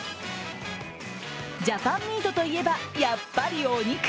ジャパンミートといえばやっぱりお肉。